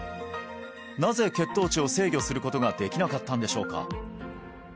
なぜ血糖値を制御することができなかったんでしょうか？